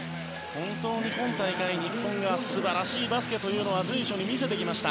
本当に今大会、日本が素晴らしいバスケというのを随所に見せてきました。